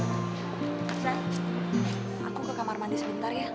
pesan aku ke kamar mandi sebentar ya